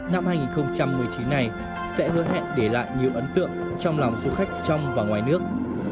năm hai nghìn một mươi chín này sẽ hứa hẹn để lại nhiều ấn tượng trong lòng du khách trong và ngoài nước